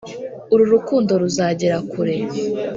Ururukundo ruzagera kure